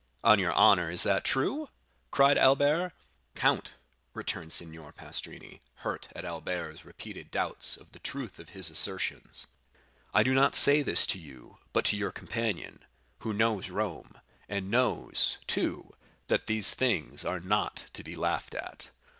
"On your honor, is that true?" cried Albert. "Count," returned Signor Pastrini, hurt at Albert's repeated doubts of the truth of his assertions, "I do not say this to you, but to your companion, who knows Rome, and knows, too, that these things are not to be laughed at."